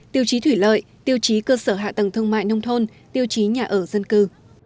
tiêu chí thủy lợi tiêu chí cơ sở hạ tầng thương mại nông thôn tiêu chí nhà ở dân cư